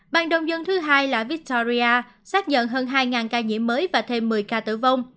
bang đông dân thứ hai là victoria xác nhận hơn hai ca nhiễm mới và thêm một mươi ca tử vong